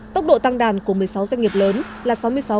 tốc độ tăng đàn của một mươi sáu doanh nghiệp lớn là sáu mươi sáu ba mươi năm